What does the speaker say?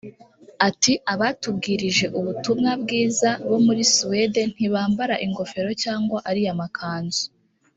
Ati “Abatubwirije ubutumwa bwiza bo muri ‘Suède’ ntibambara ingofero cyangwa ariya makanzu